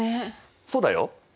そうだよ。